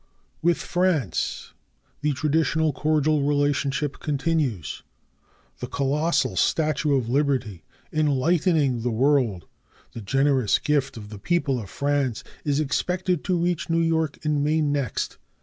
With France the traditional cordial relationship continues. The colossal statue of Liberty Enlightening the World, the generous gift of the people of France, is expected to reach New York in May next.